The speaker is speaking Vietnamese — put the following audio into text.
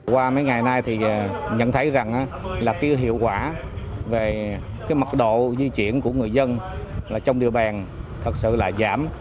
qua mấy ngày nay thì nhận thấy rằng là cái hiệu quả về cái mật độ di chuyển của người dân trong địa bàn thật sự là giảm